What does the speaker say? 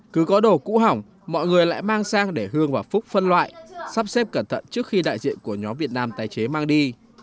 cứ có đồ cũ hỏng mọi người lại mang sang để hương và phúc phân loại sắp xếp cẩn thận trước khi đại diện của nhóm việt nam tái chế mang đi